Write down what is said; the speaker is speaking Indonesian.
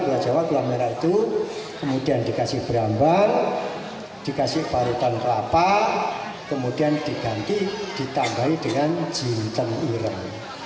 gula jawa gula merah itu kemudian dikasih berambang dikasih parutan kelapa kemudian diganti ditambahin dengan jintan uram